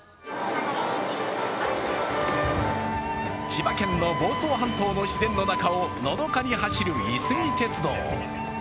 千葉県の房総半島の自然の中をのどかに走るいすみ鉄道。